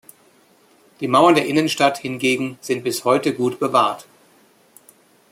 Die Mauern der Innenstadt hingegen sind bis heute gut bewahrt.